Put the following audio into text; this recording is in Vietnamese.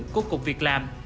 của cục việc làm